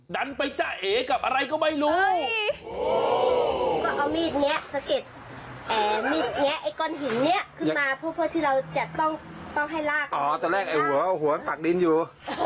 ดันไปจะเอกับอะไรก็ไม่รู้